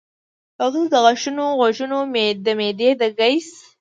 دغسې د غاښونو ، غوږونو ، د معدې د ګېس ،